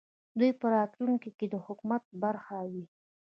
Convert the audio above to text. دوی په راتلونکې کې د حکومت برخه وي